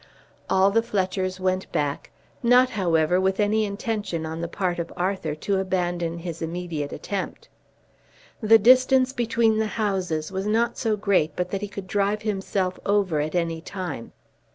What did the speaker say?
All the Fletchers went back, not, however, with any intention on the part of Arthur to abandon his immediate attempt. The distance between the houses was not so great but that he could drive himself over at any time.